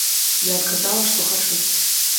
Я адказала, што хачу.